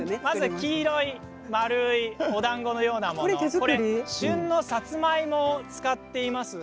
黄色い丸いおだんごのようなもの旬のさつまいもを使っています。